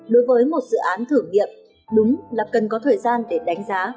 đối với một dự án thử nghiệm đúng là cần có thời gian để đánh giá